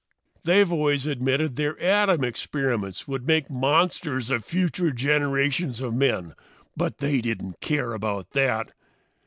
"They've always admitted their atom experiments would make monsters of future generations of men, but they didn't care about that!